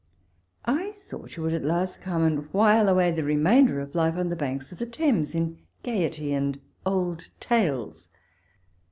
I thought you would at last como and while away the remainder of life on the banks of the Thames in gaiety and old tales.